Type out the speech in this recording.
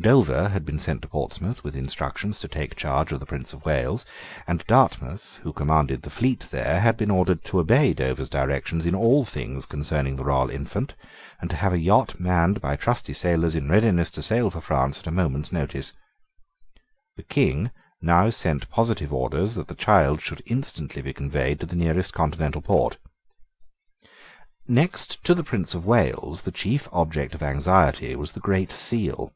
Dover had been sent to Portsmouth with instructions to take charge of the Prince of Wales; and Dartmouth, who commanded the fleet there, had been ordered to obey Dover's directions in all things concerning the royal infant, and to have a yacht manned by trusty sailors in readiness to sail for France at a moment's notice. The King now sent positive orders that the child should instantly be conveyed to the nearest continental port. Next to the Prince of Wales the chief object of anxiety was the Great Seal.